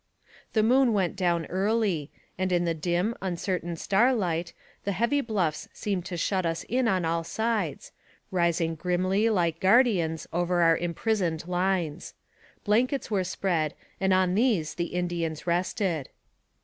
The moon went down early, and in the dim, uncer tain star light, the heavy bluffs seemed to shut us in on all sides, rising grimly, like guardians, over our imprisoned lines. Blankets were spread, and on these the Indians rested.